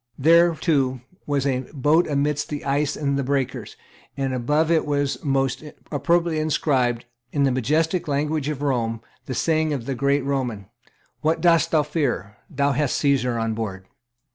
There, too, was a boat amidst the ice and the breakers; and above it was most appropriately inscribed, in the majestic language of Rome, the saying of the great Roman, "What dost thou fear? Thou hast Caesar on board."